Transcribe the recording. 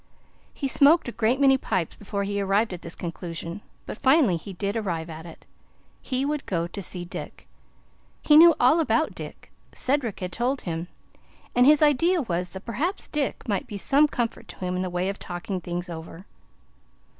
He smoked a great many pipes before he arrived at the conclusion, but finally he did arrive at it. He would go to see Dick. He knew all about Dick. Cedric had told him, and his idea was that perhaps Dick might be some comfort to him in the way of talking things over.